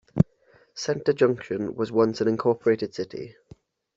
Center Junction was once an incorporated city.